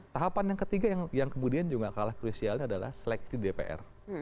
tahapan yang ketiga yang kemudian juga kalah krusialnya adalah seleksi dpr